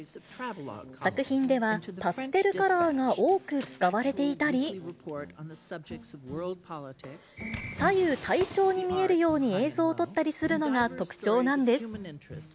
作品では、パステルカラーが多く使われていたり、左右対称に見えるように映像を撮ったりするのが特徴なんです。